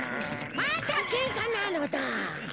またケンカなのだ。